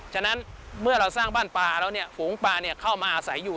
ฉะนั้นเมื่อเราสร้างบ้านปลาแล้วเนี่ยฝูงปลาเข้ามาอาศัยอยู่